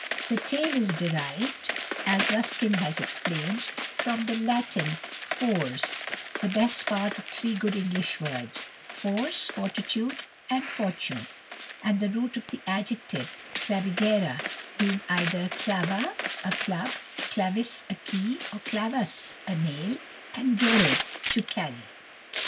The title is derived, as Ruskin has explained, from the Latin fors, the best part of three good English words force, fortitude, and fortune; the root of the adjective clavigera being either clava, a club, clavis, a key, or clavus, a nail, and gero, to carry.